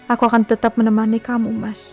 aku akan tetap menemani kamu mas